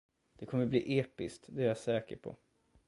Det kommer bli episkt, det är jag säker på.